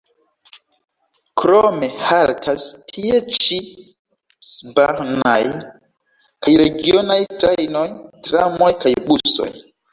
Krome haltas tie ĉi S-Bahn-aj kaj regionaj trajnoj, tramoj kaj busoj.